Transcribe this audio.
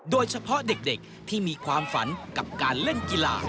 โดยเฉพาะเด็กที่มีความฝันกับการเล่นกีฬา